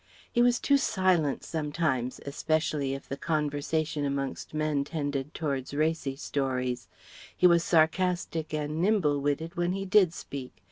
He was too silent sometimes, especially if the conversation amongst men tended towards racy stories; he was sarcastic and nimble witted when he did speak.